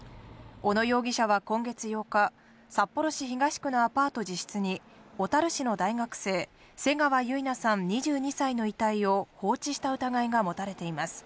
小野容疑者は今月８日、札幌市東区のアパート自室に小樽市の大学生・瀬川結菜さん２２歳の遺体を放置した疑いが持たれています。